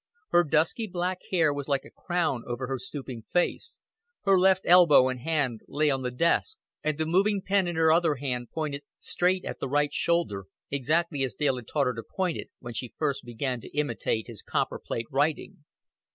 Her dusky black hair was like a crown over her stooping face; her left elbow and hand lay on the desk; and the moving pen in her other hand pointed straight at the right shoulder, exactly as Dale had taught her to point it when she first began to imitate his copper plate writing.